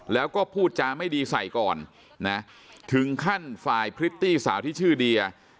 แล้วก็พูดจาไม่ดีใส่ก่อนนะถึงขั้นฝ่ายพริตตี้สาวที่ชื่อเดีย